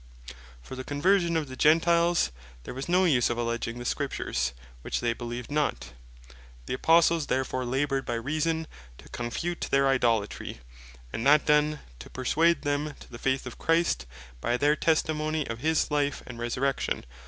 For the Conversion of the Gentiles, there was no use of alledging the Scriptures, which they beleeved not. The Apostles therefore laboured by Reason to confute their Idolatry; and that done, to perswade them to the faith of Christ, by their testimony of his Life, and Resurrection.